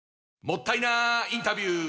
もったいなインタビュー！